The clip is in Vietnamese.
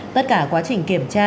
tất cả quá trình kiểm tra